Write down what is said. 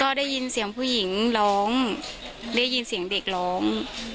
ก็ได้ยินเสียงผู้หญิงร้องได้ยินเสียงเด็กร้อง